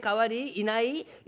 いない？